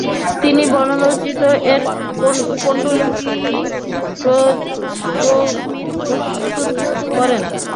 তিনি বর্ণপরিচয়-এর পাণ্ডুলিপি প্রস্তুত করেন।